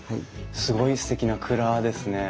すごいすてきな蔵ですね。